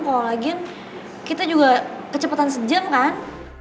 kalau lagi kita juga kecepatan sejam kan